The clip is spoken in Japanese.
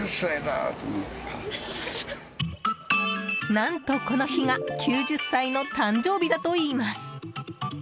何と、この日が９０歳の誕生日だといいます。